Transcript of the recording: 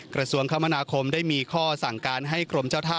กระทรวงคมนาคมได้มีข้อสั่งการให้กรมเจ้าท่า